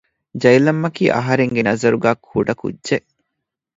ޖައިލަމްއަކީ އަހަރެންގެ ނަޒަރުގައި ކުޑަކުއްޖެެއް